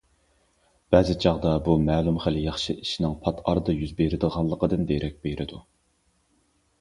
بەزى چاغدا بۇ مەلۇم خىل ياخشى ئىشنىڭ پات ئارىدا يۈز بېرىدىغانلىقىدىن دېرەك بېرىدۇ.